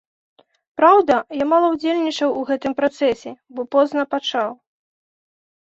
Праўда, я мала ўдзельнічаў у гэтым працэсе, бо позна пачаў.